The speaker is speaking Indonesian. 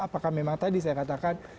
apakah memang tadi saya katakan